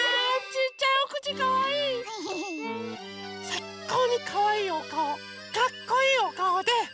さいこうにかわいいおかおかっこいいおかおで。